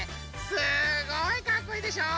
すごいかっこいいでしょ。